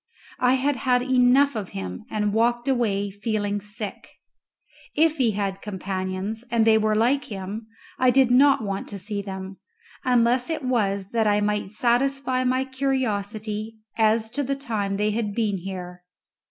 I had had enough of him, and walked away feeling sick. If he had companions, and they were like him, I did not want to see them, unless it was that I might satisfy my curiosity as to the time they had been here.